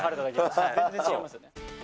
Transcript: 全然違いますよね。